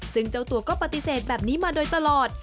ซึ่งเจ้าตัวก็ปฏิเสธแบบนี้มาโดยตลอด